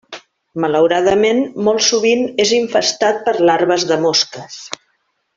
Malauradament, molt sovint és infestat per larves de mosques.